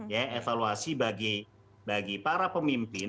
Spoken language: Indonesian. ya evaluasi bagi para pemimpin